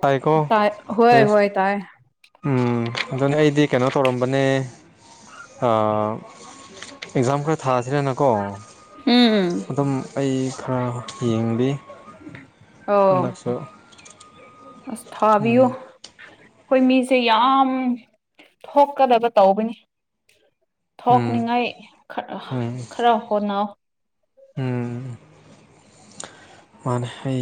ꯇꯥꯏꯀꯣ ꯇꯥꯏ ꯍꯣꯏ ꯔꯦꯁ ꯍꯣꯏ ꯇꯥꯏ ꯎꯝ ꯑꯗꯨꯅꯦ ꯑꯩꯗꯤ ꯀꯩꯅꯣ ꯇꯧꯔꯝꯕꯅꯦ ꯑꯥ ꯑꯦꯛꯖꯥꯝ ꯈꯔ ꯊꯥꯁꯤꯔꯦꯅꯀꯣ ꯎꯝ ꯑꯗꯨꯝ ꯑꯩ ꯈꯔ ꯌꯦꯡꯕꯤ ꯑꯣ ꯑꯁ ꯊꯥꯕꯤꯌꯨ ꯑꯩꯈꯣꯏ ꯃꯤꯁꯦ ꯌꯥꯝ ꯊꯣꯛꯀꯗꯕ ꯇꯧꯕꯅꯤ ꯎꯝ ꯊꯣꯛꯅꯤꯡꯉꯥꯏ ꯈꯥ ꯎꯝ ꯈꯔ ꯍꯣꯠꯅꯥꯎ ꯎꯝ ꯃꯥꯅꯦ ꯑꯩ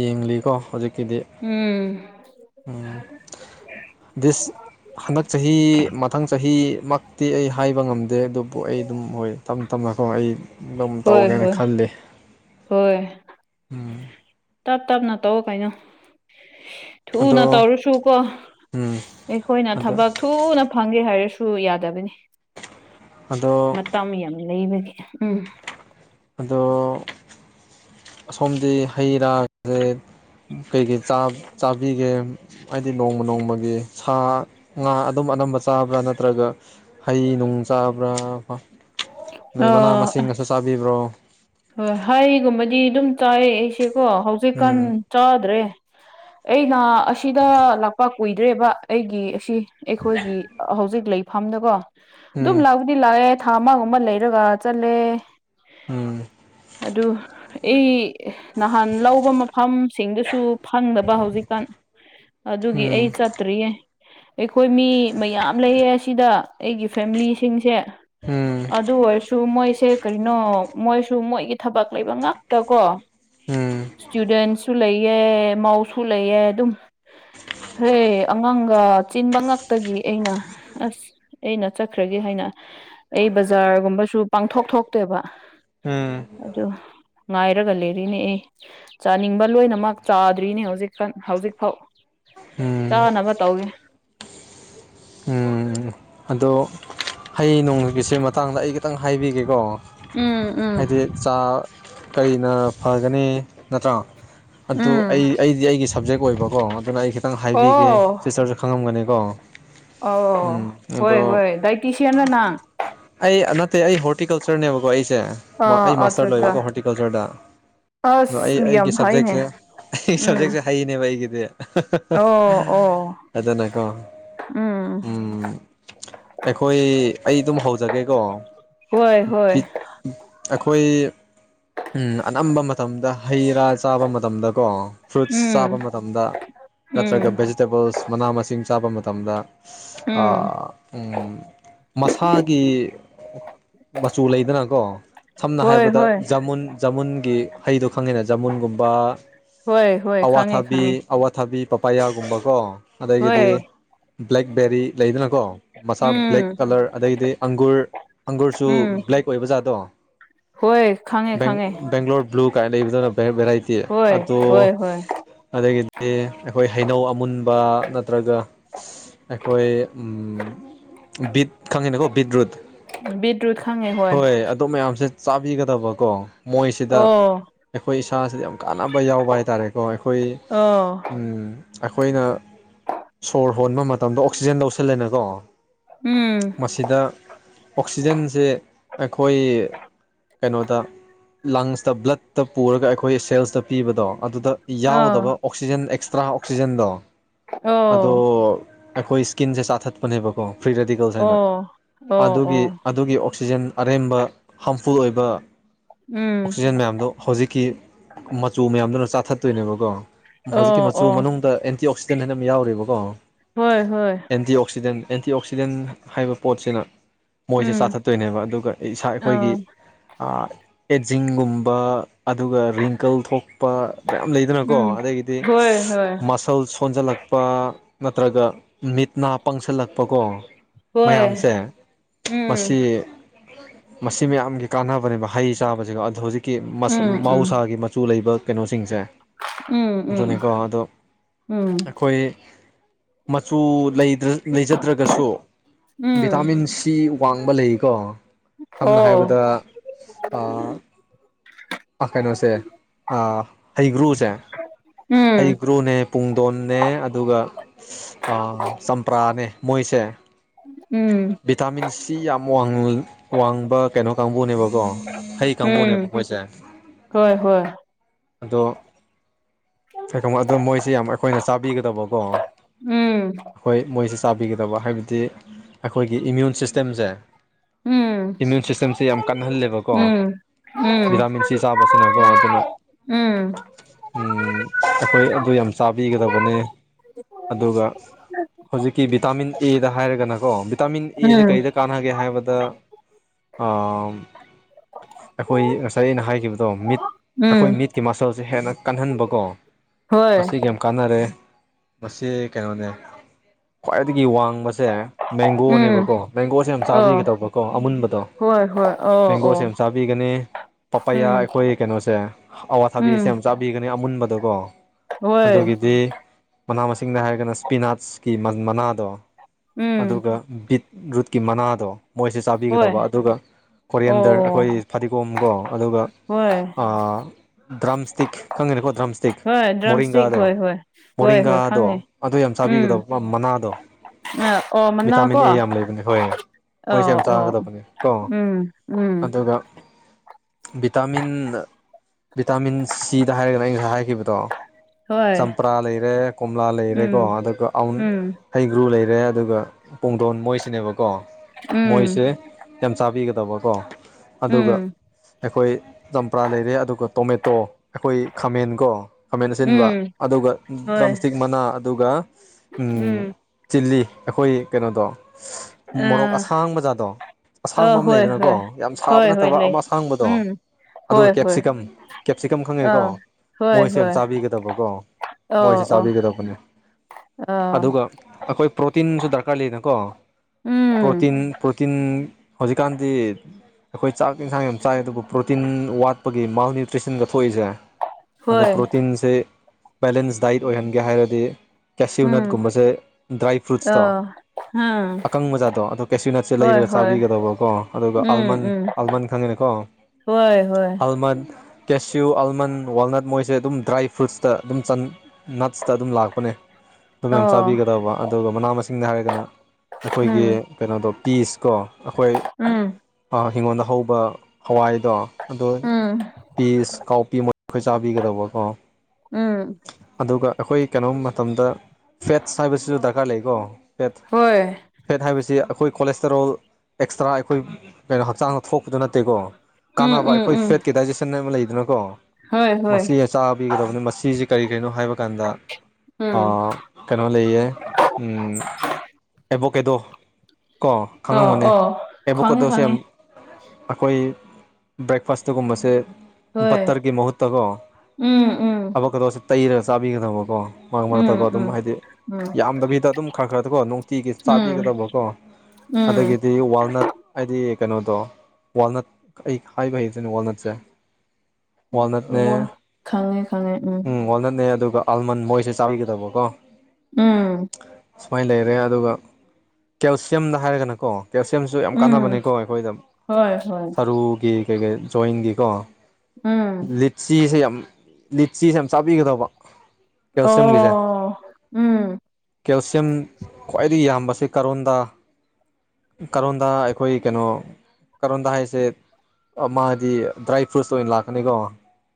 ꯌꯦꯡꯂꯤꯀꯣ ꯍꯧꯖꯤꯛꯀꯤꯗꯤ ꯎꯝ ꯗꯤꯁ ꯍꯟꯗꯛ ꯆꯍꯤ ꯃꯊꯪ ꯆꯍꯤ ꯃꯛꯇꯤ ꯑꯩ ꯍꯥꯏꯕ ꯉꯝꯗꯦ ꯑꯗꯨꯕꯨ ꯑꯩ ꯑꯗꯨꯝ ꯍꯣꯏ ꯇꯞꯅ ꯇꯞꯅꯀꯣ ꯑꯩ ꯑꯗꯨꯝ ꯍꯣꯏ ꯇꯧꯒꯦꯅ ꯍꯣꯏ ꯈꯜꯂꯤ ꯍꯣꯏ ꯎꯝ ꯇꯞ ꯇꯞꯅ ꯇꯧꯑꯣ ꯀꯩꯅꯣ ꯑꯗꯣ ꯊꯨꯅ ꯇꯧꯔꯨꯁꯨꯀꯣ ꯎꯝ ꯑꯩꯈꯣꯏꯅ ꯑꯗꯣ ꯊꯕꯛ ꯊꯨꯅ ꯐꯪꯒꯦ ꯍꯥꯏꯔꯁꯨ ꯌꯥꯗꯕꯅꯤ ꯑꯗꯣ ꯇꯝ ꯌꯥꯝ ꯂꯩꯕꯒꯤ ꯎꯝ ꯑꯗꯣ ꯑꯁꯣꯝꯗꯤ ꯍꯩ ꯔꯥꯁꯦ ꯀꯩꯀꯩ ꯆꯥꯕꯤꯒꯦ ꯍꯥꯏꯗꯤ ꯅꯣꯡꯃ ꯅꯣꯡꯃꯒꯤ ꯁꯥ ꯉꯥ ꯑꯗꯨꯝ ꯑꯅꯝꯕ ꯆꯥꯕ꯭ꯔꯥ ꯅꯠꯇ꯭ꯔꯒ ꯍꯩ ꯅꯨꯡ ꯆꯥꯕ꯭ꯔꯥ ꯑꯗꯩ ꯑ ꯃꯅꯥ ꯃꯁꯤꯡꯒꯁꯨ ꯆꯥꯕꯤꯕ꯭ꯔꯣ ꯍꯣꯏ ꯍꯥꯏꯒꯨꯝꯕꯗꯤ ꯑꯗꯨꯝ ꯆꯥꯏ ꯑꯩꯁꯦꯀꯣ ꯍꯧꯖꯤꯛꯀꯥꯟ ꯎꯝ ꯆꯥꯗ꯭ꯔꯦ ꯑꯩꯅ ꯑꯁꯤꯗ ꯂꯥꯛꯄ ꯀꯨꯏꯗ꯭ꯔꯦꯕ ꯑꯩꯒꯤ ꯑꯁꯤ ꯑꯩꯈꯣꯏꯒꯤ ꯍꯧꯖꯤꯛ ꯂꯩꯐꯝꯗꯀꯣ ꯑꯗꯨꯝ ꯎꯝ ꯂꯥꯛ ꯗꯤ ꯂꯥꯛꯑꯦ ꯊꯥ ꯑꯃꯒꯨꯝꯕ ꯂꯩꯔꯒ ꯆꯠꯂꯦ ꯎꯝ ꯑꯗꯨ ꯑꯩ ꯅꯍꯥꯟ ꯂꯧꯕ ꯃꯐꯝꯁꯤꯡꯗꯨꯁꯨ ꯐꯪꯗꯕ ꯍꯧꯖꯤꯛꯀꯥꯟ ꯑꯗꯨꯒꯤ ꯎꯝ ꯑꯩ ꯆꯠ ꯆꯠꯇ꯭ꯔꯤꯌꯦ ꯑꯩꯈꯣꯏ ꯃꯤ ꯃꯌꯥꯝ ꯂꯩꯌꯦ ꯑꯁꯤꯗ ꯑꯩꯒꯤ ꯐꯦꯃꯤꯂꯤꯁꯤꯡꯁꯦ ꯎꯝ ꯑꯗꯨ ꯑꯣꯏꯔꯁꯨ ꯃꯣꯏꯁꯦ ꯀꯔꯤꯅꯣ ꯃꯣꯏ ꯁꯨ ꯃꯣꯏꯒꯤ ꯊꯕꯛ ꯂꯩꯕ ꯉꯥꯛꯇ ꯀꯣ ꯏꯁꯇꯨꯗꯦꯟꯁꯨ ꯂꯩꯌꯦ ꯃꯥꯧꯁꯨ ꯂꯩꯑ ꯑꯗꯨꯝ ꯍꯦ ꯑꯉꯥꯡꯒ ꯆꯤꯟꯕ ꯉꯥꯛꯇꯒꯤ ꯑꯩꯅ ꯑꯁ ꯑꯩꯅ ꯆꯠꯈ꯭ꯔꯒꯦ ꯍꯥꯏꯅ ꯑꯩ ꯕꯖꯥꯔꯒꯨꯝꯕꯁꯨ ꯄꯥꯡꯊꯣꯛ ꯊꯣꯛꯇꯦꯕ ꯎꯝ ꯑꯗꯨ ꯉꯥꯏꯔꯒ ꯂꯩꯔꯤꯅꯦ ꯑꯩ ꯆꯥꯅꯤꯡꯕ ꯂꯣꯏꯅꯃꯛ ꯆꯥꯗ꯭ꯔꯤꯅꯦ ꯍꯧꯖꯤꯛ ꯍꯧꯖꯤꯛ ꯐꯥꯎ ꯎꯝ ꯎꯝ ꯆꯥꯅꯕ ꯇꯧꯋꯦ ꯎꯝ ꯑꯗꯣ ꯍꯩ ꯅꯣꯡꯒꯤꯁꯦ ꯃꯇꯥꯡꯗ ꯑꯩ ꯈꯤꯇꯪ ꯍꯥꯏꯕꯤꯒꯦꯀꯣ ꯎꯝ ꯍꯥꯏꯗꯤ ꯎꯝ ꯆꯥ ꯀꯔꯤꯅ ꯐꯒꯅꯤ ꯅꯠꯇ꯭ꯔꯥ ꯑꯗꯨ ꯎꯝ ꯑꯩ ꯗꯤ ꯑꯩꯒꯤ ꯁꯞꯖꯦꯛ ꯑꯣꯏꯕꯀꯣ ꯑꯗꯨꯅ ꯑꯩ ꯈꯤꯇꯪ ꯍꯥꯏꯕꯤꯒꯦ ꯑꯣ ꯁꯤꯁꯇꯦꯔ ꯁꯨ ꯈꯪꯉꯝꯒꯅꯤꯀꯣ ꯎꯝ ꯑꯣ ꯑꯗꯣ ꯍꯣꯏ ꯍꯣꯏ ꯗꯗꯥꯏꯇꯤꯁꯤꯌꯥꯟꯅ ꯅꯪ ꯑꯩ ꯅꯠꯇꯦ ꯑꯩ ꯍꯣꯔꯇꯤꯀꯜꯆꯔꯅꯦꯕꯀꯣ ꯑꯩꯁꯦ ꯑꯥ ꯑꯩ ꯑꯠꯆꯥ ꯃꯥꯁꯇꯔ ꯑꯠꯆꯥ ꯂꯣꯏꯕꯀꯣ ꯍꯣꯔꯇꯤꯀꯜꯆꯔꯗ ꯑꯗꯣ ꯑꯩ ꯑꯁ ꯌꯥꯝ ꯑꯩꯒꯤ ꯐꯩꯅꯦ ꯁꯞꯖꯦꯛꯁꯦ ꯑꯩꯒꯤ ꯎꯝ ꯁꯞꯖꯦꯛꯁꯦ ꯍꯩꯅꯦꯕ ꯑꯩꯒꯤꯗꯤ ꯑꯣ ꯑꯣ ꯑꯗꯨꯅꯀꯣ ꯎꯝ ꯑꯩꯈꯣꯏ ꯑꯩ ꯑꯗꯨꯝ ꯍꯧꯖꯒꯦꯀꯣ ꯍꯣꯏ ꯍꯣꯏ ꯑꯩꯈꯣꯏ ꯑꯅꯝꯕ ꯃꯇꯝꯗ ꯍꯩ ꯔꯥ ꯆꯥꯕ ꯃꯇꯝꯗꯀꯣ ꯐ꯭ꯔꯨꯏꯠꯁ ꯎꯝ ꯆꯥꯕ ꯃꯇꯝꯗ ꯎꯝ ꯅꯠꯇ꯭ꯔꯒ ꯚꯦꯖꯤ ꯇꯦꯕꯜꯁ ꯃꯅꯥ ꯃꯁꯤꯡ ꯆꯥꯕ ꯃꯇꯝꯗ ꯎꯝ ꯃꯁꯥ ꯃꯗꯅꯣ ꯁꯝꯅ ꯍꯣꯏ ꯍꯥꯏꯗ ꯍꯣꯏ ꯖꯥꯃꯨꯟ ꯖꯥꯃꯨꯟꯒꯤ ꯍꯩꯗꯣ ꯈꯪꯉꯤꯅ ꯖꯃꯨꯟꯒꯨꯝꯕ ꯍꯣꯏ ꯍꯣꯏ ꯑꯋꯥ ꯈꯪꯉꯦ ꯈꯪꯉꯦ ꯊꯥꯕꯤ ꯑꯋꯥ ꯊꯥꯕꯤ ꯄꯄꯥꯌꯥꯒꯨꯝꯕꯀꯣ ꯑꯗꯒꯤꯗꯤ ꯍꯣꯏ ꯕ꯭ꯂꯦꯛꯕꯦꯔꯤ ꯂꯩꯗꯅꯀꯣ ꯃꯁꯥ ꯎꯝ ꯕ꯭ꯂꯦꯛ ꯀꯂꯔ ꯑꯗꯒꯤꯗꯤ ꯑꯪꯒꯨꯔ ꯑꯪꯒꯨꯔꯁꯨ ꯎꯝ ꯕ꯭ꯂꯦꯛ ꯑꯣꯏꯕ ꯖꯥꯗꯣ ꯍꯣꯏ ꯈꯪꯉꯦ ꯈꯪꯉꯦ ꯕꯦꯡ꯭ꯂꯣꯣꯔ ꯭ꯂꯨ ꯀꯥꯏ ꯏꯅꯦꯔꯥꯏꯇꯤ ꯍꯣꯏ ꯑꯣ ꯍꯣꯏ ꯍꯣꯏ ꯑꯗꯗꯒꯤ ꯑꯩꯈꯣꯏ ꯍꯩꯅꯧ ꯑꯃꯨꯟꯕ ꯅꯠꯇ꯭ꯔꯒ ꯑꯩꯈꯣꯏ ꯕꯤꯠ ꯈꯪꯉꯤꯅꯦꯀꯣ ꯕꯤꯠꯔꯨꯠ ꯕꯤꯠꯔꯨꯠ ꯈꯪꯉꯦ ꯍꯣꯏ ꯑꯗꯨꯣ ꯃꯌꯥꯝꯁꯦ ꯆꯥꯕꯤꯒꯗꯕꯀꯣ ꯃꯣꯏꯁꯤꯗ ꯑꯣ ꯑꯩꯈꯣꯏ ꯏꯁꯥꯁꯤꯗ ꯌꯥꯝ ꯀꯥꯟꯅꯕ ꯌꯥꯎꯕ ꯍꯥꯏꯇꯥꯔꯦꯀꯣ ꯑꯩꯈꯣꯏ ꯑꯣ ꯑꯩꯈꯣꯏꯅ ꯁꯣꯔ ꯍꯣꯟꯕ ꯃꯇꯝꯗ ꯑꯣꯛꯁꯤꯖꯦꯟ ꯂꯧꯧꯁꯜꯂꯦꯅꯀꯣ ꯎꯝ ꯃꯁꯤꯗ ꯑꯣꯛꯁꯤꯖꯦꯟꯁꯦ ꯑꯩꯈꯣꯏ ꯀꯩꯅꯣꯗ ꯂꯪꯁꯇ ꯕ꯭ꯂꯠꯇ ꯄꯨꯔꯒ ꯑꯩꯈꯣꯏ ꯁꯦꯜꯁꯇ ꯄꯤꯕꯗꯣ ꯑꯗꯨꯗ ꯑꯣ ꯌꯥꯎꯗꯕ ꯑꯣꯛꯁꯤꯖꯦꯟ ꯑꯦꯛꯁꯇ꯭ꯔꯥ ꯑꯣꯛꯁꯤꯖꯦꯟꯗꯣ ꯑꯗꯣ ꯑꯣ ꯑꯩꯈꯣꯏ ꯏꯁꯀꯤꯟꯁꯦ ꯆꯥꯊꯠꯄꯅꯦꯕꯀꯣ ꯐ꯭ꯔꯤ ꯔꯦꯗꯤꯀꯜꯁ ꯍꯥꯏꯅ ꯑꯣ ꯑꯣ ꯑꯗꯨꯒꯤ ꯑꯣ ꯑꯗꯨꯒꯤ ꯑꯣꯛꯁꯤꯖꯦꯟ ꯑꯔꯦꯝꯕ ꯍꯥꯝꯐꯨꯜ ꯑꯣꯏꯕ ꯎꯝ ꯑꯣꯛꯁꯤꯖꯦꯟ ꯃꯌꯥꯝꯗꯣ ꯍꯧꯖꯤꯛꯀꯤ ꯃꯆꯨ ꯃꯌꯥꯝꯗꯨꯅ ꯆꯥꯊꯠꯇꯣꯏꯅꯦꯕꯀꯣ ꯍꯧꯖꯤꯛꯀꯤ ꯑꯣ ꯃꯆꯨ ꯑꯣ ꯃꯅꯨꯡꯗ ꯑꯦꯟꯇꯤ ꯑꯣꯛꯁꯤꯗꯦꯟ ꯍꯥꯏꯅ ꯑꯃ ꯌꯥꯎꯔꯤꯕꯀꯣ ꯍꯣꯏ ꯍꯣꯏ ꯑꯦꯟꯇꯤ ꯑꯣꯛꯁꯤꯗꯦꯟ ꯑꯦꯟꯇꯤ ꯑꯣꯛꯁꯤꯗꯦꯟ ꯍꯥꯏꯕ ꯄꯣꯠꯁꯤꯅ ꯃꯣꯏꯁꯦ ꯎꯝ ꯆꯥꯊꯠꯇꯣꯏꯅꯦꯕ ꯑꯗꯨꯒ ꯏꯁꯥ ꯑꯩꯈꯣꯏꯒꯤ ꯑ ꯑꯦꯠꯖꯤꯡꯒꯨꯝꯕ ꯑꯗꯨꯒ ꯔꯤꯡꯀꯜ ꯊꯣꯛꯄ ꯃꯌꯥꯝ ꯂꯩꯗꯅꯀꯣ ꯎꯝ ꯑꯗꯒꯤꯗꯤ ꯍꯣꯏ ꯍꯣꯏ ꯃꯁꯜ ꯁꯣꯟꯖꯜꯂꯛ ꯅꯠꯇ꯭ꯔꯒ ꯃꯤꯠ ꯅꯥ ꯄꯥꯡꯁꯜꯂꯛꯄꯀꯣ ꯍꯣꯏ ꯃꯌꯥꯝꯁꯦ ꯎꯝ ꯃꯁꯤ ꯃꯁꯤ ꯃꯌꯥꯝꯒꯤ ꯀꯥꯟꯅꯕꯅꯦꯕ ꯍꯩ ꯆꯥꯕꯁꯤꯀꯣ ꯑꯗꯣ ꯍꯧꯖꯤꯛ ꯀ ꯎꯝ ꯎꯝ ꯃꯍꯧꯁꯥꯒꯤ ꯃꯆꯨ ꯂꯩꯕ ꯀꯩꯅꯣꯁꯤꯡꯁꯦ ꯎꯝ ꯎꯝ ꯑꯗꯨꯅꯤꯀꯣ ꯑꯗꯣ ꯎꯝ ꯑꯩꯈꯣꯏ ꯃꯆꯨ ꯂꯩꯖꯗ꯭ꯔꯒꯁꯨ ꯎꯝ ꯚꯤꯇꯥꯃꯤꯟꯁ ꯗ ꯋꯥꯡꯕ ꯂꯩꯀꯣ ꯁꯝꯅ ꯑꯣ ꯍꯥꯏꯔꯕꯗ ꯀꯩꯅꯣꯁꯦ ꯍꯩꯒ꯭ꯔꯨꯁꯦ ꯎꯝ ꯍꯩꯒ꯭ꯔꯨꯅꯦ ꯄꯨꯡꯗꯣꯟꯟꯅ ꯑꯗꯨꯒ ꯆꯝꯄ꯭ꯔꯥꯅꯦ ꯃꯣꯏꯁꯦ ꯎꯝ ꯚꯤꯇꯥꯃꯤꯟꯁꯤ ꯌꯥꯝꯡ ꯋꯥꯡꯕ ꯀꯩꯅꯣ ꯀꯥꯡꯕꯨꯅꯦꯕꯀꯣ ꯍꯩ ꯀꯥꯡꯕꯨꯅꯦꯕ ꯎꯝ ꯃꯣꯏꯁꯦ ꯍꯣꯏ ꯍꯣꯏ ꯑꯗꯣ ꯀꯒꯨꯝ ꯑꯗꯣ ꯃꯣꯏꯁꯦ ꯌꯥꯝ ꯑꯩꯈꯣꯏꯅ ꯆꯥꯕꯤꯒꯗꯕꯀꯣ ꯎꯝ ꯑꯩꯈꯣꯏ ꯃꯣꯏꯁꯦ ꯆꯥꯕꯤꯒꯗꯕ ꯍꯥꯏꯕꯗꯤ ꯑꯩꯈꯣꯏꯒꯤ ꯏꯃ꯭ꯌꯨꯟ ꯁꯤꯁꯇꯦꯝꯁꯦ ꯎꯝ ꯏꯃ꯭ꯌꯨꯟ ꯁꯤꯁꯇꯦꯝꯁꯦ ꯌꯥꯝ ꯀꯥꯟꯅꯍꯜꯂꯦꯕꯀꯣ ꯎꯝ ꯎꯝ ꯚꯤꯇꯥꯃꯤꯟ ꯁꯤ ꯆꯥꯕꯁꯤꯅꯀꯣ ꯑꯗꯨꯅ ꯎꯝ ꯑꯩꯈꯣꯏ ꯑꯗꯨ ꯌꯥꯝ ꯆꯥꯕꯤꯒꯗꯕꯅꯦ ꯑꯗꯨꯒ ꯍꯧꯖꯤꯛꯀꯤ ꯚꯤꯇꯥꯃꯤꯟ ꯑꯦꯗ ꯍꯥꯏꯔꯒꯅꯀꯣ ꯇꯥꯃꯤꯟ ꯑꯦꯁꯦ ꯎꯝ ꯀꯔꯤꯗ ꯀꯥꯟꯅꯒꯦ ꯍꯥꯏꯕꯗ ꯑꯩꯈꯣꯏ ꯉꯁꯥꯏ ꯑꯩꯅ ꯍꯥꯏꯈꯤꯕꯗꯣ ꯃꯤꯠ ꯑꯩꯈꯣꯏ ꯎꯝ ꯃꯤꯠ ꯀꯤ ꯃꯁꯜꯁꯦ ꯍꯦꯟꯅ ꯀꯟꯍꯟꯕꯀꯣ ꯍꯣꯏ ꯃꯁꯤꯒ ꯌꯥꯝ ꯀꯥꯟꯅꯔꯦ ꯃꯁꯤ ꯀꯩꯅꯣꯅꯦ ꯈ꯭ꯋꯥꯏꯗꯒꯤ ꯋꯥꯡꯕꯁꯦ ꯎꯝ ꯃꯦꯡꯒꯣꯅꯦꯕꯀꯣ ꯃꯦꯡꯒꯣꯁꯦ ꯌꯥꯝ ꯆꯥꯕꯤꯒꯦ ꯑꯣ ꯇꯧꯕꯀꯣ ꯑꯃꯨꯟꯕꯗꯣ ꯍꯣꯏ ꯍꯣꯏ ꯑꯣ ꯃꯦꯡꯒꯣꯁꯦ ꯑꯣ ꯌꯥꯝ ꯆꯥꯕꯤꯒꯅꯤ ꯄꯥꯄꯌꯥ ꯎꯝ ꯑꯩꯈꯣꯏ ꯀꯩꯅꯣꯁꯦ ꯑꯋꯥꯊꯥꯕꯤꯁꯦ ꯎꯝ ꯌꯥꯝ ꯆꯥꯕꯤꯒꯅꯤ ꯑꯃꯨꯟꯕꯗꯀꯣ ꯍꯣꯏ ꯑꯗꯨꯒꯤꯗꯤ ꯃꯅꯥ ꯃꯁꯤꯡꯗ ꯍꯥꯏꯔꯒꯅ ꯏꯁꯄꯤꯅꯥꯠꯁꯀꯤ ꯃꯅꯥꯗꯣ ꯎꯝ ꯑꯗꯨꯒ ꯕꯤꯠ ꯔꯨꯠꯀꯤ ꯃꯅꯥꯗꯣ ꯃꯣꯏꯁꯦ ꯍꯣꯏ ꯆꯥꯕꯤꯒꯗꯕ ꯑꯗꯨꯒ ꯀꯣꯔꯦꯟꯗꯔ ꯑꯣ ꯑꯩꯈꯣꯏ ꯐꯗꯤꯒꯣꯝꯀꯣ ꯑꯗꯨꯒ ꯍꯣꯏ ꯗ꯭ꯔꯝ ꯏꯁꯇꯤꯛ ꯈꯪꯒꯅꯤꯀꯣ ꯗ꯭ꯔꯝ ꯏꯁꯇꯤꯛ ꯍꯣꯏ ꯗ꯭ꯔꯝ ꯏꯁꯇꯤꯛ ꯃꯔꯤꯡꯒꯥꯗꯣ ꯍꯣꯏ ꯍꯣꯏ ꯍꯣꯏ ꯍꯣꯏ ꯕꯣꯔꯤꯡꯒꯥꯗꯣ ꯈꯪꯉꯦ ꯑꯗꯨ ꯌꯥꯝ ꯎꯝ ꯆꯥꯕꯤꯒꯗꯕ ꯃꯅꯥꯗꯣ ꯑꯣ ꯃꯅꯥ ꯀꯣ ꯚꯤꯇꯥꯃꯤꯟ ꯑꯦ ꯌꯥꯝ ꯂꯩꯕꯅꯦ ꯍꯣꯏ ꯃꯣꯏꯁꯦ ꯑꯣ ꯌꯥꯝ ꯑꯣ ꯆꯥꯒꯗꯕꯅꯦ ꯀꯣ ꯎꯝ ꯎꯝ ꯑꯗꯨꯒ ꯚꯤꯇꯥꯃꯤꯟ ꯚꯤꯇꯥꯃꯤꯟ ꯁꯤꯗ ꯍꯥꯏꯔꯒꯅ ꯑꯩ ꯉꯁꯥꯏ ꯍꯥꯏꯈꯤꯕꯗꯣ ꯍꯣꯏ ꯆꯝꯄ꯭ꯔꯥ ꯂꯩꯔꯦ ꯀꯣꯝꯂꯥ ꯂꯩꯔꯦꯀꯣ ꯎꯝ ꯑꯗꯨꯒ ꯎꯝ ꯍꯩꯒ꯭ꯔꯨ ꯂꯩꯔꯦ ꯑꯗꯨꯒ ꯄꯨꯡꯗꯣꯟ ꯃꯣꯏꯁꯤꯅꯦꯕꯀꯣ ꯃꯣꯏꯁꯦ ꯎꯝ ꯌꯥꯝ ꯆꯥꯕꯤꯒꯗꯕꯀꯣ ꯑꯗꯨꯒ ꯎꯝ ꯑꯩꯈꯣꯏ ꯆꯝꯄ꯭ꯔꯥ ꯂꯩꯔꯦ ꯑꯗꯨꯒ ꯇꯣꯃꯦꯇꯣ ꯑꯩꯈꯣꯏ ꯈꯥꯃꯦꯟ ꯀꯣ ꯈꯥꯃꯦꯟ ꯑꯁꯤꯟꯕ ꯎꯝ ꯑꯗꯨꯒ ꯗ꯭ꯔꯝ ꯍꯣꯏ ꯏꯁꯇꯤꯛ ꯃꯅꯥ ꯑꯗꯨꯒ ꯎꯝ ꯆꯤꯜꯂꯤ ꯑꯩꯈꯣꯏ ꯀꯩꯅꯣꯗꯣ ꯃꯣꯔꯣꯛ ꯑ ꯑꯁꯥꯡ ꯕꯖꯥꯔꯗꯣ ꯑꯁꯥꯡꯕ ꯑ ꯑꯃ ꯍꯣꯏ ꯂꯩꯗꯅꯀꯣ ꯍꯣꯏ ꯌꯥꯝ ꯁꯥꯕ ꯍꯣꯏ ꯍꯣꯏ ꯅꯠꯇꯕ ꯂꯩ ꯑꯃ ꯑꯁꯥꯡꯕꯗꯣ ꯎꯝ ꯑꯗꯣ ꯍꯣꯏ ꯍꯣꯏ ꯀꯦꯞꯁꯤꯀꯝ ꯀꯦꯞꯁꯤꯀꯝ ꯈꯪꯉꯦꯀꯣ ꯑꯥ ꯍꯣꯏ ꯃꯣꯏꯁꯦ ꯌꯥꯝ ꯍꯣꯏ ꯆꯥꯕꯤꯒꯗꯕꯀꯣ ꯃꯣꯏꯁꯤ ꯆꯥꯕꯤꯒꯗꯕꯅꯦ ꯑꯗꯣ ꯑꯗꯨꯒ ꯑꯩꯈꯣꯏ ꯄ꯭ꯔꯣꯇꯤꯟꯁꯨ ꯗꯔꯀꯥꯔ ꯂꯩꯅꯀꯣ ꯎꯝ ꯄ꯭ꯔꯣꯇꯤꯟ ꯄ꯭ꯔꯣꯇꯤꯟ ꯍꯧꯖꯤꯛ ꯀꯥꯟꯗꯤ ꯑꯩꯈꯣꯏ ꯆꯥꯛ ꯏꯟꯁꯥꯡ ꯌꯥꯝ ꯆꯥꯏꯕꯀꯣ ꯄ꯭ꯔꯣꯇꯤꯟ ꯋꯥꯠꯄꯒꯤ ꯃꯥꯜꯅ꯭ꯌꯨꯇ꯭ꯔꯤꯁꯟ ꯊꯣꯛꯏꯁꯦ ꯑꯗꯣ ꯍꯣꯏ ꯄ꯭ꯔꯣꯇꯤꯟꯁꯦ ꯕꯦꯂꯦꯟꯁ ꯗꯥꯏꯠ ꯑꯣꯏꯍꯟꯒꯦ ꯍꯥꯏꯔꯗꯤ ꯎꯝ ꯀꯦꯁꯤꯌꯣꯅꯠꯀꯨꯝꯕꯁꯦ ꯗ꯭ꯔꯥꯏ ꯐ꯭ꯔꯨꯏꯠꯁꯇꯣ ꯑꯥ ꯎꯝ ꯑꯀꯪꯕꯖꯥꯗꯣ ꯑꯗꯣ ꯀꯦꯁꯤꯅꯠꯁꯦ ꯍꯣꯏ ꯂꯩꯔꯦ ꯍꯣꯏ ꯆꯥꯕꯤꯒꯗꯧꯕꯀꯣ ꯑꯗꯨꯒ ꯎꯝ ꯑꯜꯃꯟ ꯎꯝ ꯑꯜꯃꯥꯟ ꯈꯪꯉꯦꯀꯣ ꯍꯣꯏ ꯍꯣꯏ ꯀꯦꯁꯤꯌꯨ ꯑꯜꯃꯟ ꯋꯥꯜꯅꯠ ꯃꯣꯏꯁꯦ ꯑꯗꯨꯝ ꯗ꯭ꯔꯥꯏ ꯐ꯭ꯔꯨꯏꯠꯁꯇ ꯑꯗꯨꯝ ꯆ ꯅꯠꯁꯇ ꯑꯗꯨꯝ ꯂꯥꯛꯄꯅꯦ ꯑꯗꯨꯝꯌꯥꯝ ꯑꯣ ꯆꯥꯕꯤꯒꯗꯧꯕ ꯑꯗꯨꯒ ꯃꯅꯥ ꯃꯁꯤꯡꯗ ꯍꯥꯏꯔꯒꯅ ꯑꯩꯈꯣꯏꯒꯤ ꯎꯝ ꯀꯩꯅꯣꯗꯣ ꯄꯤꯁꯀꯣ ꯑꯩꯈꯣꯏ ꯎꯝ ꯑ ꯍꯤꯡꯒꯣꯜꯗ ꯍꯧꯕ ꯍꯋꯥꯏꯗꯣ ꯑꯗꯨ ꯎꯝ ꯄꯤꯁ ꯀꯥꯎꯄꯤ ꯃꯣꯏꯈꯣꯏ ꯆꯥꯕꯤꯒꯗꯕꯀꯣ ꯎꯝ ꯑꯗꯨꯒ ꯑꯩꯈꯣꯏ ꯀꯩꯅꯣ ꯃꯇꯝꯗ ꯐꯦꯠꯁ ꯍꯥꯏꯕꯁꯤꯁꯨ ꯗꯔꯀꯥꯔ ꯂꯩꯀꯣ ꯐꯦꯠ ꯍꯣꯏ ꯐꯦꯠ ꯍꯥꯏꯕꯁꯤ ꯑꯩꯈꯣꯏ ꯀꯣꯂꯦꯁꯇꯔꯣꯜ ꯑꯦꯛꯁꯇ꯭ꯔꯥ ꯑꯩꯈꯣꯏ ꯀꯩꯅꯣ ꯍꯛꯆꯥꯡꯗ ꯊꯣꯛꯄꯗꯨ ꯅꯠꯇꯦꯀꯣ ꯎꯝ ꯀꯥꯟꯅꯕ ꯎꯝ ꯑꯩꯈꯣꯏ ꯎꯝ ꯐꯦꯠꯀꯤ ꯗꯥꯏꯖꯦꯁꯟ ꯑꯃ ꯂꯩꯗꯅꯀꯣ ꯍꯣꯏ ꯍꯣꯏ ꯃꯁꯤ ꯆꯥꯕ ꯄꯤꯒꯗꯕꯅꯤ ꯃꯁꯤꯁꯦ ꯀꯔꯤ ꯀꯔꯤꯅꯣ ꯍꯥꯏꯕ ꯀꯥꯟꯗ ꯎꯝ ꯀꯩꯅꯣ ꯂꯩꯌꯦ ꯑꯦꯕꯣꯀꯦꯗꯣꯀꯣ ꯑꯣ ꯈꯥꯡꯉꯥꯝꯃꯅꯦ ꯑꯣ ꯈꯪꯉꯦ ꯑꯦꯕꯣꯀꯦꯗꯣꯁꯦ ꯌꯥꯝ ꯈꯪꯉꯦ ꯑꯩꯈꯣꯏ ꯕ꯭ꯔꯦꯛꯐꯥꯁꯇꯒꯨꯝꯕꯁꯦ ꯍꯣꯏ ꯄꯠꯇꯔꯒꯤ ꯃꯍꯨꯠꯇꯀꯣ ꯎꯝ ꯎꯝ ꯑꯦꯕꯣꯀꯦꯗꯣ ꯇꯩꯔꯒ ꯆꯥꯕꯤꯒꯗꯕꯀꯣ ꯃꯔꯛ ꯎꯝ ꯃꯔꯛꯇꯀꯣ ꯑꯗꯨꯝ ꯎꯝ ꯍꯥꯏꯗꯤ ꯎꯝ ꯌꯥꯝꯗꯕꯤꯗ ꯑꯗꯨꯝ ꯈꯔ ꯈꯔ ꯀꯣ ꯅꯨꯡꯇꯤꯒꯤ ꯆꯥꯕꯤꯒꯗꯕꯀꯣ ꯎꯝ ꯑꯗꯒꯤꯗꯤ ꯋꯥꯜꯅꯠ ꯍꯥꯏꯗꯤ ꯀꯩꯅꯣꯗꯣ ꯋꯥꯜꯅꯠ ꯑꯩ ꯍꯥꯏꯕ ꯍꯩꯇꯔꯦ ꯋꯥꯜꯅꯠꯁꯦ ꯋꯥꯜꯅꯠꯅꯦ ꯎꯝ ꯋꯥ ꯈꯪꯉꯦ ꯈꯪꯉꯦ ꯎꯝ ꯋꯥꯜꯅꯠꯅꯦ ꯑꯗꯨꯒ ꯑꯜꯃꯟ ꯃꯣꯏꯁꯦ ꯆꯥꯕꯤꯒꯗꯕꯀꯣ ꯎꯝ ꯁꯨꯃꯥꯏꯅ ꯂꯩꯔꯦ ꯑꯗꯨꯒ ꯀꯦꯜꯁꯤꯌꯝꯗ ꯍꯥꯏꯔꯒꯅꯀꯣ ꯀꯦꯜꯁꯤꯌꯝꯁꯨ ꯌꯥꯝ ꯎꯝ ꯀꯥꯟꯅꯕꯅꯤꯀꯣ ꯑꯩꯈꯣꯏꯗ ꯍꯣꯏ ꯍꯣꯏ ꯁꯔꯨꯒꯤ ꯀꯩꯀꯩ ꯖꯣꯏꯟꯒꯤꯀꯣ ꯎꯝ ꯂꯤꯠꯆꯤꯁꯦ ꯌꯥꯝ ꯂꯤꯠꯆꯤꯁꯦ ꯌꯥꯝ ꯆꯥꯕꯤꯒꯗꯧꯕ ꯀꯦꯜꯁꯤꯌꯝꯒꯤꯁꯦ ꯑꯣ ꯎꯝ ꯀꯦꯜꯁꯤꯌꯝ ꯈ꯭ꯋꯥꯏꯗꯒꯤ ꯌꯥꯝꯕꯁꯦ ꯀꯥꯔꯣꯟꯗ ꯀꯔꯣꯟꯗꯥ ꯑꯩꯈꯣꯏ ꯀꯩꯅꯣ ꯀꯣꯟꯗꯥ ꯍꯥꯏꯁꯦ ꯃꯥꯗꯤ ꯗ꯭ꯔꯥꯏ ꯐ꯭ꯔꯨꯠꯁ ꯑꯣꯏꯅ ꯂꯥꯛꯀꯅꯤꯀꯣ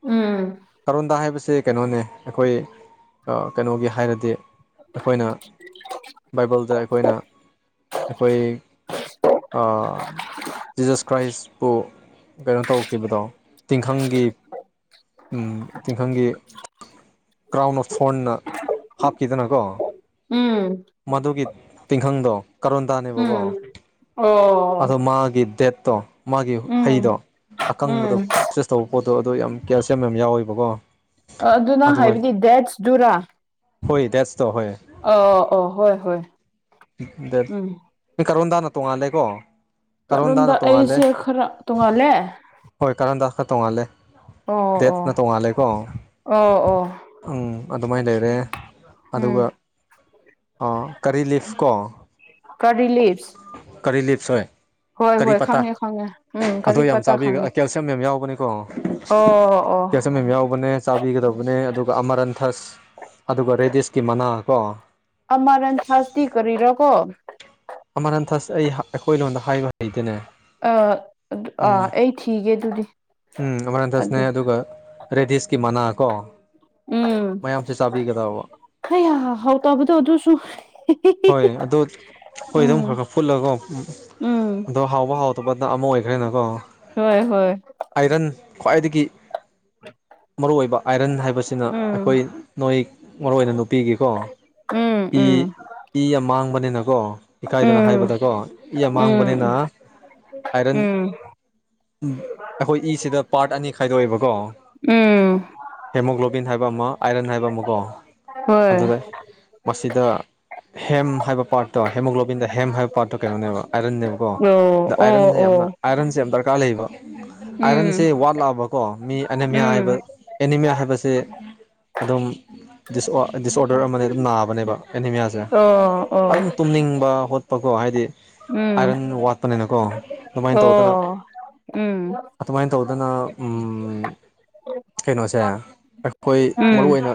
ꯎꯝ ꯀꯔꯣꯟꯗꯥ ꯍꯥꯏꯕꯁꯤꯦ ꯀꯩꯅꯣꯅꯦ ꯑꯩꯈꯣꯏ ꯀꯩꯅꯣꯒꯤ ꯍꯥꯏꯔꯗꯤ ꯑꯩꯈꯣꯏꯅ ꯕꯥꯏꯕꯜꯗ ꯑꯩꯈꯣꯏꯅ ꯑꯩꯈꯣꯏ ꯖꯤꯖꯁ ꯀ꯭ꯔꯥꯏꯁꯄꯨ ꯀꯩꯅꯣ ꯇꯧꯈꯤꯕꯗꯣ ꯇꯤꯡꯈꯪꯒꯤ ꯇꯤꯡꯈꯪꯒꯤ ꯀ꯭ꯔꯥꯎꯟ ꯑꯣꯐ ꯐꯣꯔꯟꯅ ꯍꯥꯞꯈꯤꯗꯅꯀꯣ ꯎꯝ ꯃꯗꯨꯒꯤ ꯇꯤꯡꯈꯪꯗꯣ ꯀꯔꯣꯟꯗꯥꯅꯦꯕꯀꯣ ꯎꯝ ꯑꯗꯣ ꯑꯣ ꯃꯥꯒꯤ ꯗꯦꯠꯇꯣ ꯃꯥꯒꯤ ꯍꯩꯗꯣ ꯎꯝ ꯑꯀꯪꯕꯗ ꯎꯝ ꯄꯔꯆꯦꯁ ꯇꯧꯕ ꯄꯣꯠꯇꯣ ꯑꯗꯣ ꯌꯥꯝ ꯀꯦꯜꯁꯤꯌꯝ ꯌꯥꯝ ꯌꯥꯎꯋꯦꯕꯀꯣ ꯑ ꯑꯗꯨꯅꯥꯡ ꯑꯗꯨꯒ ꯍꯥꯏꯕꯗꯤ ꯗꯦꯠꯁ ꯗꯨꯔꯥ ꯍꯣꯏ ꯗꯁꯇ ꯍꯣꯏ ꯑ ꯑꯣ ꯍꯣꯏ ꯍꯣꯏ ꯗ ꯎꯝ ꯅꯣꯏ ꯀꯔꯣꯟꯗꯥꯅ ꯇꯣꯡꯉꯥꯜꯂꯦꯀꯣ ꯀꯣꯝꯗ ꯀꯔꯣꯟꯗꯥꯅ ꯇꯣꯡꯉꯥꯜꯂꯦ ꯑꯩꯁꯦ ꯈꯔ ꯇꯣꯡꯉꯥꯜꯂꯦ ꯍꯣꯏ ꯀꯔꯝꯗ ꯈꯔ ꯇꯣꯡꯉꯥꯜꯂꯦ ꯑꯣ ꯑꯣ ꯗꯦꯠꯅ ꯇꯣꯡꯉꯥꯜꯂꯦꯀꯣ ꯑꯣ ꯑꯣ ꯎꯝ ꯑꯗꯨꯃꯥꯏꯅ ꯂꯩꯔꯦ ꯎꯝ ꯑꯗꯨꯒ ꯀꯔꯤ ꯂꯤꯐ ꯀꯣ ꯀꯔꯤ ꯂꯤꯞꯁ ꯀꯔꯤ ꯂꯤꯞꯁꯣꯏ ꯍꯣꯏ ꯍꯣꯏ ꯈꯪꯉꯦ ꯈꯪꯉꯦ ꯎꯝ ꯑꯗꯣ ꯀꯔꯤ ꯌꯥꯝ ꯄꯇꯥ ꯆꯥꯕꯤꯒ ꯈꯪꯉꯦ ꯀꯦꯜꯁꯤꯌꯝ ꯑꯣ ꯑꯣ ꯀꯩꯁꯦꯝ ꯌꯥꯎꯕꯅꯦ ꯆꯥꯕꯤꯒꯗꯕꯅꯦ ꯑꯗꯨꯒ ꯑꯃꯔꯟꯊꯁ ꯑꯗꯨꯒ ꯔꯦꯗꯤꯁꯀꯤ ꯃꯅꯥ ꯀꯣ ꯑꯃꯔꯟ ꯁꯁꯤ ꯀꯔꯀꯣ ꯑꯃꯔ ꯅꯟꯊꯛꯁ ꯑꯩ ꯑꯩꯈꯣꯏ ꯂꯣꯟꯗ ꯍꯥꯏꯕ ꯍꯩꯗꯅꯦ ꯑ ꯑꯗꯨ ꯑꯥ ꯑꯩ ꯊꯤꯒꯦ ꯑꯗꯨꯗꯤ ꯎꯝ ꯑꯗꯨ ꯑꯃꯔꯟꯊꯁꯅꯦ ꯑꯗꯨꯒ ꯔꯦꯗꯤꯁꯀꯤ ꯃꯅꯥꯀꯣ ꯃꯌꯥꯝꯁꯦ ꯆꯥꯕꯤꯒꯗꯧꯕ ꯈꯩ ꯍꯥꯎ ꯇꯥꯕꯗ ꯑꯗꯨꯁꯨ ꯍꯈꯣꯏ ꯑꯗꯨꯝ ꯎꯝ ꯈꯔ ꯈꯔ ꯐꯨꯠꯂꯒꯣ ꯎꯝ ꯑꯗꯣ ꯍꯥꯎꯕ ꯍꯥꯎꯇꯕꯅ ꯑꯃ ꯑꯣꯏꯈ꯭ꯔꯦꯅꯀꯣ ꯍꯣꯏ ꯍꯣꯏ ꯑꯥꯏꯔꯟ ꯈ꯭ꯋꯥꯏꯗꯒꯤ ꯃꯔꯨꯏꯕ ꯑꯥꯏꯔꯟ ꯍꯥꯏꯕꯁꯤꯅ ꯎꯝ ꯑꯩꯈꯣꯏ ꯅꯣꯏ ꯃꯔꯨ ꯑꯣꯏꯅ ꯅꯨꯄꯤꯒꯤꯀꯣ ꯎꯝ ꯏ ꯎꯝ ꯏ ꯌꯥꯝ ꯃꯥꯡꯕꯅꯤꯅꯀꯣ ꯏꯀꯥꯏꯗꯅ ꯎꯝ ꯍꯥꯏꯕꯗꯀꯣ ꯏ ꯑꯃꯥꯡꯕꯅꯤꯅ ꯎꯝ ꯎꯝ ꯑꯩꯈꯣꯏ ꯏꯁꯤꯗ ꯄꯥꯔꯠ ꯑꯅꯤ ꯈꯥꯏꯗꯣꯛꯑꯦꯕꯀꯣ ꯎꯝ ꯍꯦꯃꯣꯒ꯭ꯂꯣꯕꯤꯟ ꯍꯥꯏꯕ ꯑꯃ ꯑꯥꯏꯔꯟ ꯍꯥꯏꯕ ꯑꯃ ꯀꯣ ꯍꯣꯏ ꯑꯗꯨꯗ ꯃꯁꯤꯗ ꯍꯦꯝ ꯍꯥꯏꯕ ꯄꯥꯔꯠꯇ ꯑꯣꯏ ꯍꯦꯃꯣꯒ꯭ꯂꯣꯕꯤꯟꯗ ꯍꯦꯝ ꯍꯥꯏꯕ ꯄꯥꯠꯇꯣ ꯀꯩꯅꯣꯅꯦꯕ ꯑꯥꯏꯔꯟꯅꯦꯕꯀꯣ ꯑꯗ ꯑꯣ ꯑꯣ ꯑꯥꯏꯔꯟꯁꯦ ꯌꯥꯝꯅ ꯑꯣ ꯑꯥꯏꯔꯟꯁꯦ ꯌꯥꯝ ꯗꯔꯀꯥꯔ ꯂꯩꯌꯦꯕ ꯑꯥꯏꯔꯟꯁꯦ ꯎꯝ ꯋꯥꯠꯂꯛꯑꯕꯀꯣ ꯃꯤ ꯑꯦꯅꯤꯃꯤꯌꯥ ꯍꯥꯏꯕ ꯎꯝ ꯑꯦꯅꯤꯃꯤꯌꯥ ꯍꯥꯏꯕꯁꯦ ꯑꯗꯨꯝ ꯗꯤꯁꯑꯣꯗꯔ ꯑꯃ ꯑꯗꯨꯝ ꯅꯥꯕꯅꯦꯕ ꯑꯦꯅꯤꯃꯤꯌꯥꯁꯦ ꯑꯣ ꯑꯣ ꯑꯗꯨꯝ ꯇꯨꯝꯅꯤꯡꯕ ꯍꯣꯠꯄꯀꯣ ꯍꯥꯏꯗꯤ ꯎꯝ ꯑꯥꯏꯔꯟ ꯋꯥ ꯆꯠꯄꯅꯤꯅꯀꯣ ꯑꯗꯨꯃꯥꯏꯅ ꯇꯧꯗꯅ ꯑꯣ ꯎꯝ ꯑꯗꯨꯃꯥꯏꯅ ꯇꯧꯗꯅ ꯀꯩꯅꯣꯁꯦ ꯑꯩꯈꯣꯏ ꯃꯔꯨ ꯎꯝ ꯑꯣꯏꯅ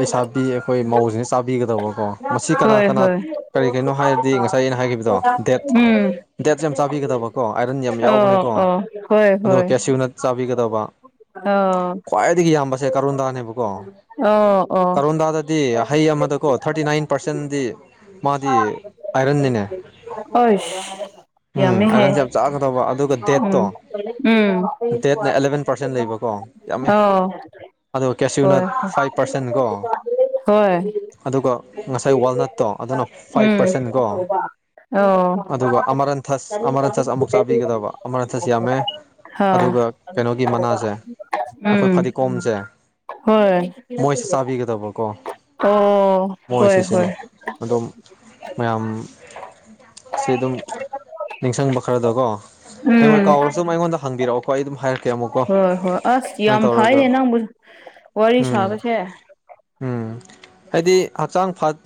ꯂꯩꯁꯥꯕꯤ ꯑꯩꯈꯣꯏ ꯃꯧꯁꯤꯅ ꯆꯥꯕꯤꯒꯗꯕꯀꯣ ꯃꯁꯤ ꯀꯅꯥ ꯍꯣꯏ ꯀꯅꯥ ꯍꯣꯏ ꯀꯔꯤ ꯀꯔꯤꯅꯣ ꯍꯥꯏꯔꯗꯤ ꯉꯁꯥꯏ ꯑꯩꯅ ꯍꯥꯏꯈꯤꯕꯗꯣ ꯗꯦꯠ ꯎꯝ ꯗꯦꯠꯁꯦ ꯌꯥꯝ ꯆꯥꯕꯤꯒꯗꯕ ꯀꯣ ꯑꯥꯏꯔꯟ ꯌꯥꯝ ꯑꯣ ꯌꯥꯎꯕꯅꯦꯀꯣ ꯑꯣ ꯑꯗꯨꯒ ꯀꯦꯁꯤꯌꯨꯅ ꯆꯥꯕꯤꯒꯗꯕ ꯑ ꯈ꯭ꯋꯥꯏꯗꯒꯤ ꯌꯥꯝꯕꯁꯦ ꯀꯔꯣꯟꯗꯥꯅꯦꯕꯀꯣ ꯑꯣ ꯑꯣ ꯀꯔꯣꯟꯗꯥꯗ ꯗꯤ ꯍꯩ ꯑꯃꯗꯀꯣ ꯊꯥꯔꯇꯤ ꯅꯥꯏꯟ ꯄꯥꯔꯁꯦꯟꯗꯤ ꯃꯥꯗꯤ ꯑꯥꯏꯔꯟꯅꯤꯅꯦ ꯑꯁ ꯎꯝ ꯌꯥꯝꯃꯦ ꯍ ꯑꯥꯏꯔꯟꯁꯦ ꯌꯥꯝ ꯆꯥꯒꯗꯧꯕ ꯑꯗꯨꯒ ꯗꯦꯠꯇꯣ ꯎꯝ ꯗꯦꯠꯅ ꯑꯦꯂꯚꯦꯟ ꯄꯥꯔꯁꯦꯟ ꯂꯩꯕꯀꯣ ꯌꯥꯝꯃꯦ ꯑꯣ ꯑꯗꯣ ꯀꯦꯁꯤꯌꯨꯅ ꯍꯣꯏ ꯐꯥꯏꯚ ꯄꯥꯔꯁꯦꯟ ꯀꯣ ꯍꯣꯏ ꯑꯗꯨꯒ ꯉꯁꯥꯏ ꯋꯥꯜꯅꯠꯇꯣ ꯑꯗꯨꯅ ꯐꯥꯏꯚ ꯎꯝ ꯄꯥꯔꯁꯦꯟ ꯀꯣ ꯑꯣ ꯑꯗꯨꯒ ꯑꯃꯔꯟ ꯁꯁ ꯑꯃꯔ ꯑꯟ ꯁꯁ ꯑꯃꯨꯛ ꯆꯥꯕꯤꯒꯗꯕ ꯑꯃꯅ ꯁꯁ ꯌꯥꯝꯃꯦ ꯍꯥꯎ ꯑꯗꯨꯒ ꯀꯩꯅꯣꯒꯤ ꯃꯅꯥꯁꯦ ꯑꯩꯈꯣꯏ ꯎꯝ ꯐꯗꯤꯒꯣꯝꯁꯦ ꯍꯣꯏ ꯃꯣꯏꯁꯨꯦ ꯆꯥꯕꯤꯒꯗꯕꯀꯣ ꯑꯣ ꯃꯣꯏ ꯍꯣꯏ ꯁꯤ ꯍꯣꯏ ꯁꯤꯅꯦ ꯑꯗꯣꯝ ꯃꯌꯥꯝ ꯁꯤ ꯑꯗꯨꯝ ꯅꯤꯡꯁꯤꯡꯕ ꯈꯔꯗꯀꯣ ꯍꯌꯦꯡꯣꯏ ꯎꯝ ꯀꯥꯎꯔꯁꯨ ꯑꯗꯨ ꯑꯩꯉꯣꯟꯗ ꯍꯪꯕꯤꯔꯛꯑꯣꯀꯣ ꯑꯩ ꯑꯗꯨꯝ ꯍꯥꯏꯔꯛꯀꯦ ꯑꯃꯨꯛꯀꯣ ꯍꯣꯏ ꯍꯣꯏ ꯑꯁ ꯁꯨꯃꯥꯏꯅ ꯌꯥꯝ ꯇꯧꯔꯒ ꯍꯥꯏꯔꯦ ꯅꯪꯕꯨ ꯋꯥꯔꯤ ꯎꯝ ꯁꯥꯕꯁꯦ ꯎꯝ ꯍꯥꯏꯗꯤ ꯍꯛꯆꯥꯡ ꯐꯠ